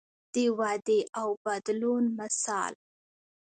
د ودې او بدلون مثال.